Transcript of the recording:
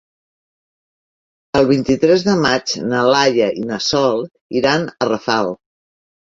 El vint-i-tres de maig na Laia i na Sol iran a Rafal.